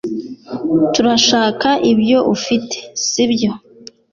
turashaka ibyo ufite, si byo